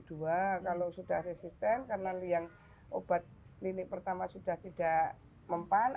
dua kalau sudah resisten karena yang obat nilinik pertama sudah tidak mempan